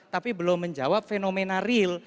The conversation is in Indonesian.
tapi belum menjawab fenomena real